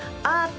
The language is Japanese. ああ